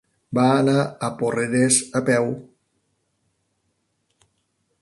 Va anar a Porreres a peu.